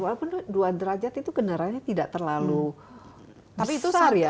walaupun dua derajat itu kendaraannya tidak terlalu besar ya